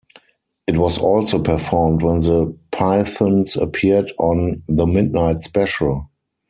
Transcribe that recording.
It was also performed when the Pythons appeared on "The Midnight Special".